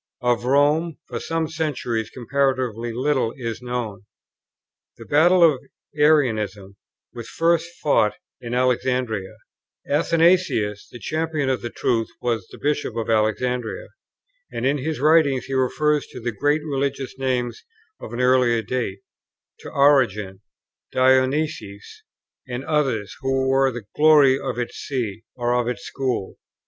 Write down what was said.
Of Rome for some centuries comparatively little is known. The battle of Arianism was first fought in Alexandria; Athanasius, the champion of the truth, was Bishop of Alexandria; and in his writings he refers to the great religious names of an earlier date, to Origen, Dionysius, and others, who were the glory of its see, or of its school.